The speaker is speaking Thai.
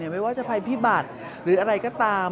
ไม่ว่าจะภัยพิบัติหรืออะไรก็ตาม